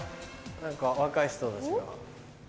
何か若い人たちが。